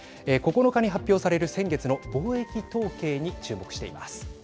９日に発表される先月の貿易統計に注目しています。